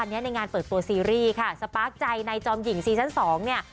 ตัวซีรีย์ค่ะสปาร์คใจในจอมหญิงซีซัน๒เนี่ย